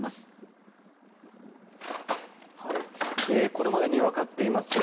これまでに分かっています